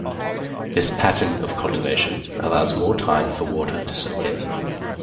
This pattern of cultivation allows more time for water to soak in.